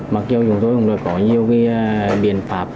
mặc dù chúng tôi cũng đã có nhiều biện pháp